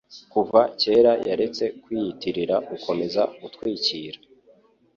Kuva kera yaretse kwiyitirira gukomeza gutwikira.